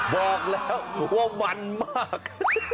บอกแล้วว่ามันมาก